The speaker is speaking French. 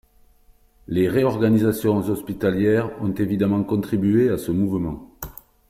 Les réorganisations hospitalières ont évidemment contribué à ce mouvement.